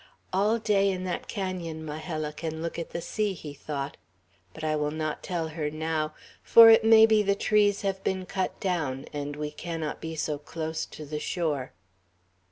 "All day, in that canon, Majella can look at the sea," he thought; "but I will not tell her now, for it may be the trees have been cut down, and we cannot be so close to the shore."